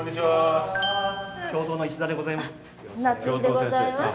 教頭の石田でございます。